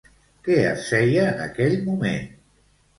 Què es feia en aquell moment?